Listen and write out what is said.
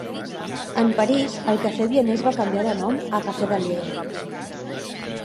En París, el café vienés va canviar de nom a café de Lieja.